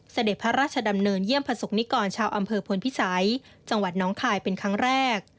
เสด็จพระราชดำเนินเยี่ยมประสบนิกรชาวอำเภอพลพิสัยจังหวัดน้องคายเป็นครั้งแรก